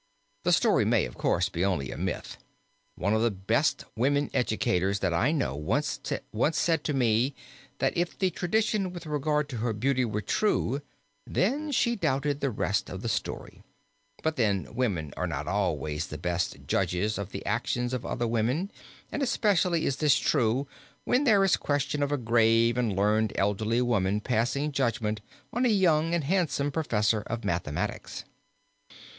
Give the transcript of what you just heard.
The story may, of course, be only a myth. One of the best woman educators that I know once said to me, that if the tradition with regard to her beauty were true, then she doubted the rest of the story, but then women are not always the best judges of the actions of other women and especially is this true when there is question of a grave and learned elderly woman passing judgment on a young and handsome professor of mathematics.